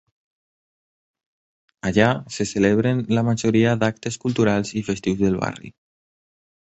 Allà se celebren la majoria d'actes culturals i festius del barri.